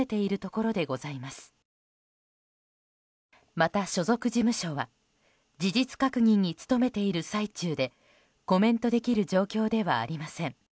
また、所属事務所は事実確認に努めている最中でコメントできる状況ではありません。